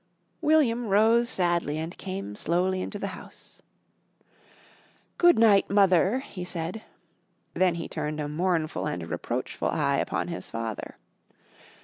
William rose sadly and came slowly into the house. "Good night, Mother," he said; then he turned a mournful and reproachful eye upon his father.